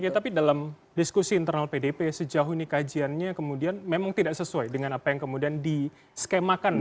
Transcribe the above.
oke tapi dalam diskusi internal pdp sejauh ini kajiannya kemudian memang tidak sesuai dengan apa yang kemudian diskemakan